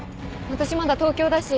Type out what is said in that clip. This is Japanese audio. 私まだ東京だし